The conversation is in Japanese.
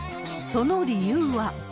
その理由は。